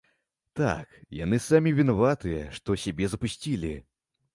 Так, яны самі вінаватыя, што сябе запусцілі.